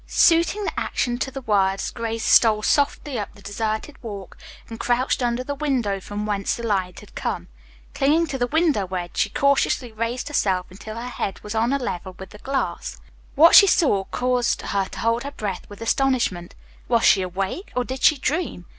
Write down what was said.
Suiting the action to the words, Grace stole softly up the deserted walk and crouched under the window from whence the light had come. Clinging to the window ledge, she cautiously raised herself until her head was on a level with the glass. What she saw caused her to hold her breath with astonishment. Was she awake or did she dream?